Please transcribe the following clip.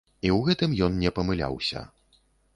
І ў гэтым ён не памыляўся.